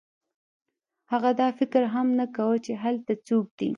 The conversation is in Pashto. هغه دا فکر هم نه کاوه چې هلته څوک دی